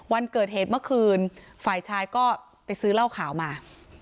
วันเกิดเหตุเมื่อคืนฝ่ายชายก็ไปซื้อเหล้าขาวมา